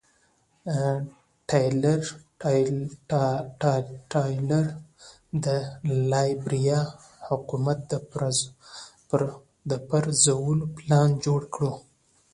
ټایلر د لایبیریا حکومت د پرځولو پلان جوړ کړی و.